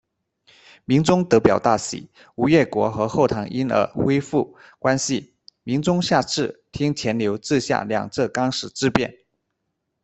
明宗得表大喜，吴越国和后唐因而恢复关系，明宗下敕听钱镠治下两浙纲使自便。